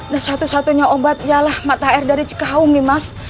dan satu satunya obat ialah mata air dari cikawung nimas